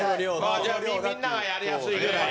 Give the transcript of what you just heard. じゃあ、みんながやりやすいぐらいに。